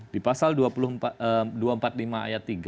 di pasal dua ratus empat puluh lima ayat tiga